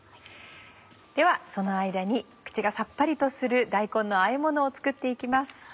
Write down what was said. ではその間に口がさっぱりとする大根のあえものを作って行きます。